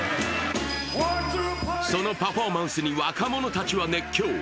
そのパフォーマンスに、若者たちは熱狂。